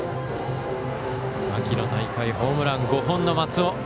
秋の大会、ホームラン５本の松尾。